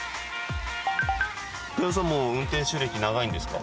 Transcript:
遠山さんもう運転手歴長いんですか？